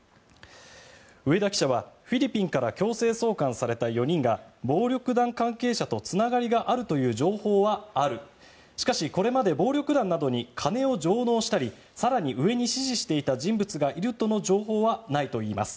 上田記者は、フィリピンから強制送還された４人が暴力団関係者とつながりがあるという情報はあるしかし、これまで暴力団などに金を上納したり更に上に指示していた人物がいるとの情報はないといいます。